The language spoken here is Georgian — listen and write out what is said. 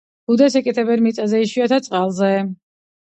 ბუდეს იკეთებენ მიწაზე, იშვიათად წყალზე.